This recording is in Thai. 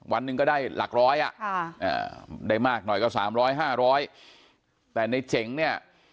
วันหนึ่งก็ได้หลักร้อยอ่ะได้มากหน่อยก็๓๐๐๕๐๐แต่ในเจ๋งเนี่ย